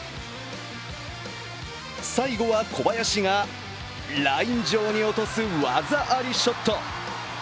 最後は小林がライン上に落とす技ありショット。